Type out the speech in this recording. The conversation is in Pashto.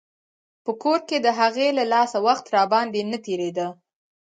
په کور کښې د هغې له لاسه وخت راباندې نه تېرېده.